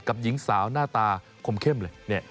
หญิงสาวหน้าตาคมเข้มเลย